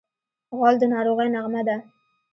غول د ناروغۍ نغمه ده.